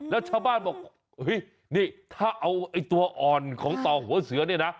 แล้วชาวบ้านบอกนี่ถ้าเอาตัวอ่อนของต่อหัวเสือ